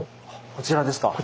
こちらです。